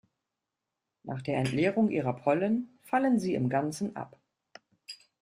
Nach der Entleerung ihrer Pollen fallen sie im Ganzen ab.